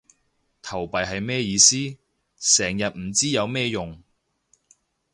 投幣係咩意思？成日唔知有咩用